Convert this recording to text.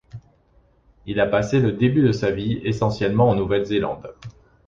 Il a passé le début de sa vie essentiellement en Nouvelle-Zélande.